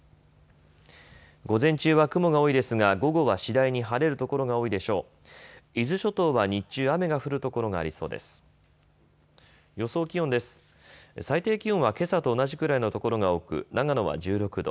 午前中は雲が多いですが午後は次第に晴れるところが多いでしょう。